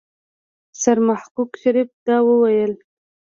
سرمحقق شريف دا وويل.